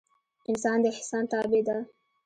انسان د احسان تابع ده